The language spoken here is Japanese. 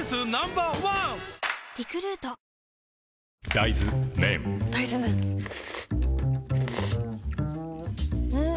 大豆麺ん？